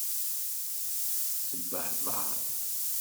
Tebbehbaḍ?